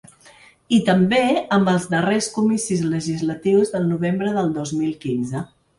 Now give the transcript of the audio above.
I també amb els darrers comicis legislatius del novembre del dos mil quinze.